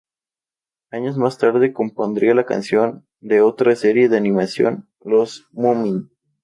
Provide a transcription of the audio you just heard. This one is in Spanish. Años más tarde compondría la canción de otra serie de animación, Los Moomin.